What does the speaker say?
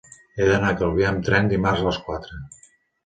He d'anar a Calvià amb tren dimarts a les quatre.